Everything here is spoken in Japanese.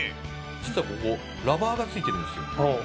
実はここラバーが付いてるんですよ。